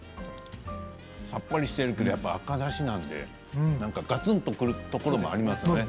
さっぱりしているけれども赤だしなのでがつんとくるところもありますね。